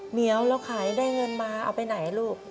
เหมียวแล้วขายได้เงินมาเอาไปไหนลูก